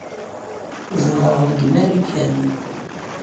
Zedɣen deg Marikan.